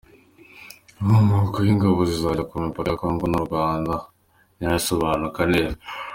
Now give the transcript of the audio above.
Inkomoko y’ingabo zizajya ku mipaka ya kongo n’u Rwanda ntirasobanuka neza